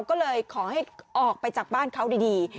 ก็เลยขอให้ออกไปจากบ้านเขาดี